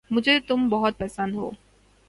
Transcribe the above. مجھے تم بہت پسند ہو